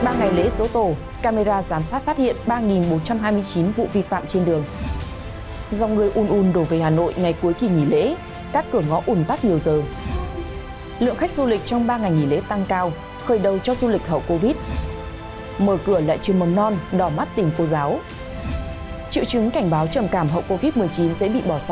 các bạn hãy đăng ký kênh để ủng hộ kênh của chúng mình nhé